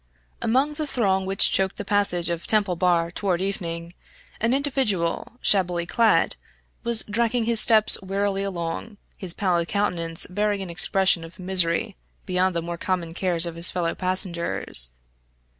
Among the throng which choked the passage of Temple Bar toward evening, an individual, shabbily clad, was dragging his steps wearily along, his pallid countenance bearing an expression of misery beyond the more common cares of his fellow passengers.